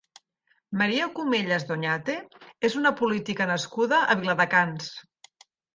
Maria Comellas Doñate és una política nascuda a Viladecans.